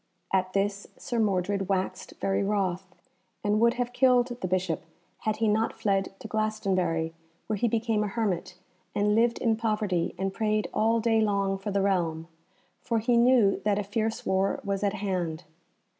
At this Sir Mordred waxed very wroth, and would have killed the Bishop had he not fled to Glastonbury, where he became a hermit, and lived in poverty and prayed all day long for the realm, for he knew that a fierce war was at hand.